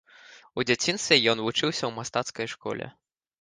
У дзяцінстве ён вучыўся ў мастацкай школе.